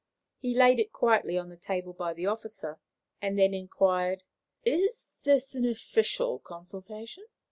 He laid it quietly on the table by the officer, and then inquired: "Is this an official consultation?"